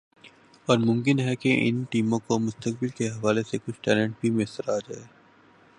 اور ممکن ہے کہ ان ٹیموں کو مستقبل کے حوالے سے کچھ ٹیلنٹ بھی میسر آجائے